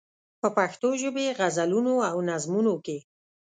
په پښتو ژبې غزلونو او نظمونو کې.